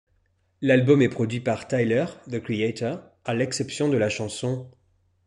L'album est produit par Tyler, The Creator, à l'exception de la chanson '.